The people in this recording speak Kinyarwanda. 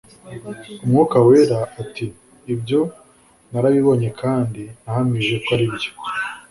umwuka wera ati Ibyo narabibonye kandi nahamije ko aribyo